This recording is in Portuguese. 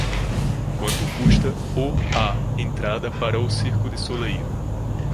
quanto custa o a entrada para o circo de Soleil